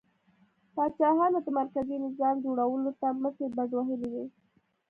پاچاهانو د مرکزي نظام جوړولو ته مټې بډ وهلې وې.